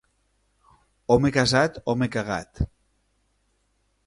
Home casat, home cagat.